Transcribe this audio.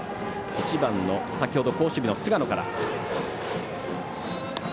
１番、先ほど好守備の菅野から。